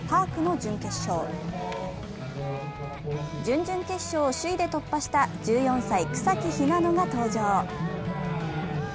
準々決勝で首位を突破した１４歳、草木ひなのが登場。